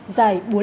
giải biểu tượng